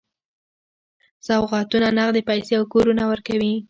سوغاتونه، نغدي پیسې او کورونه ورکوي.